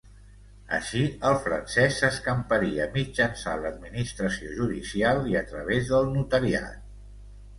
Així, el francès s'escamparia mitjançant l'administració judicial i a través del notariat.